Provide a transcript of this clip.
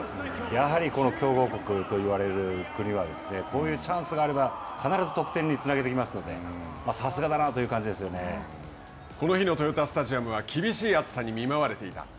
やはりこの強豪国といわれる国はこういうチャンスがあれば必ず得点につなげてきますのでこの日の豊田スタジアムは厳しい暑さに見舞われていた。